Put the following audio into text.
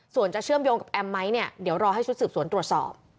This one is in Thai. ส่วนจะเชื่อมโยงกับแอมไหมเนี่ยเดี๋ยวรอให้ชุดสืบสวนตรวจสอบ